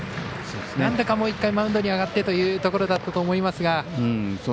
なんとかもう１回マウンドに上がってというところだと思いますが。